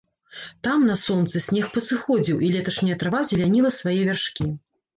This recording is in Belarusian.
Там, на сонцы, снег пасыходзіў, і леташняя трава зеляніла свае вяршкі.